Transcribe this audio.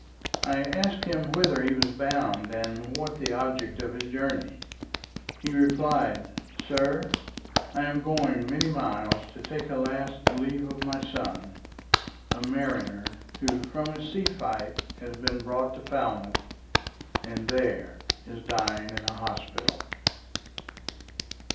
—I asked him whither he was bound, and what The object of his journey; he replied "Sir! I am going many miles to take A last leave of my son, a mariner, Who from a sea fight has been brought to Falmouth, And there is dying in an hospital."